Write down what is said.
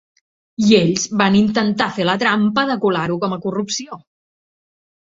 I ells van intentar fer la trampa de colar-ho com a corrupció.